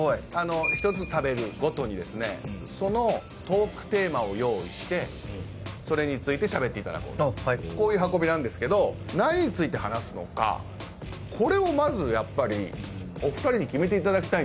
１つ食べるごとにそのトークテーマを用意してそれについてしゃべっていただくこういう運びなんですけど何について話すのかこれをまずやっぱりお二人に決めていただきたい。